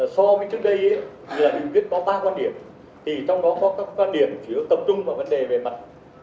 so với trước đây nghị quyết có ba quan điểm trong đó có các quan điểm chỉ có tập trung vào vấn đề về mặt